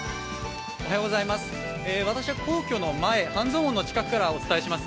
私は皇居の前、半蔵門の近くからお伝えします。